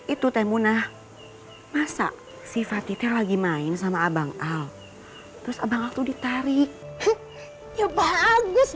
itu temuna masa sifat itu lagi main sama abang al terus abang aku ditarik ya bagus